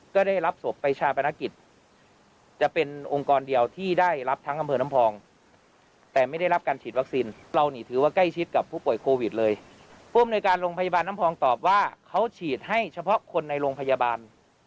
การณ์โรงพยาบาลน้ำพองตอบว่าเขาฉีดให้เฉพาะคนในโรงพยาบาล